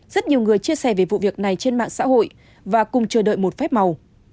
rất nhiều người chia sẻ về vụ việc này trên mạng xã hội và cùng chờ đợi một phép màu